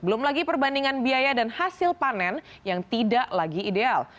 belum lagi perbandingan biaya dan hasil panen yang tidak lagi ideal